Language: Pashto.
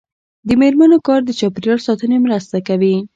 د میرمنو کار د چاپیریال ساتنې مرسته کوي.